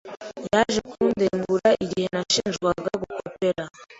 Yaje kundegura igihe nashinjwaga gukopera.